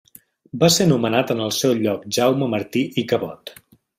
Va ser nomenat en el seu lloc Jaume Martí i Cabot.